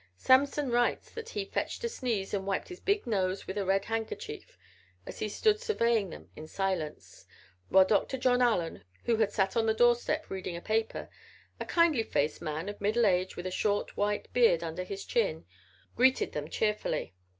Samson writes that he "fetched a sneeze and wiped his big nose with a red handkerchief" as he stood surveying them in silence, while Dr. John Allen, who had sat on the doorstep reading a paper a kindly faced man of middle age with a short white beard under his chin greeted them cheerfully.